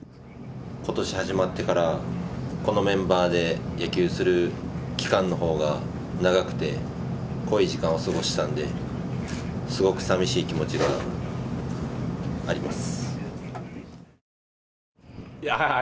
ことし始まってから、このメンバーで野球する期間のほうが長くて、濃い時間を過ごしたんで、すごく寂しい気持ちがあります。